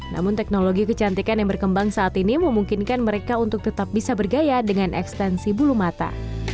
namun teknologi kecantikan yang berkembang saat ini memungkinkan mereka untuk tetap bisa bergaya dengan ekstensi bulu mata